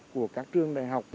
của các trường đại học